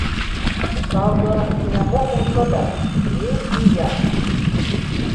Праўда не мог узгадаць дзе і як.